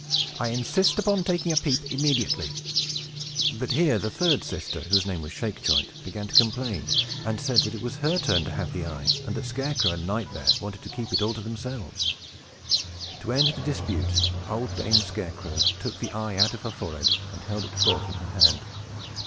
I insist upon taking a peep immediately!" But here the third sister, whose name was Shakejoint, began to complain, and said that it was her turn to have the eye, and that Scarecrow and Nightmare wanted to keep it all to themselves. To end the dispute, old Dame Scarecrow took the eye out of her forehead, and held it forth in her hand.